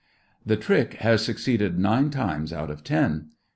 The trick has succeeded nine times out of ten.